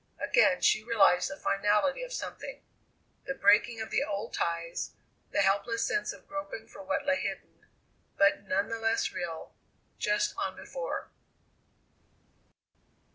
Again she realized the finality of something the breaking of the old ties, the helpless sense of groping for what lay hidden, but none the less real, just on before.